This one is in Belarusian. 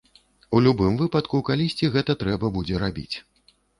У любым выпадку, калісьці гэта трэба будзе рабіць.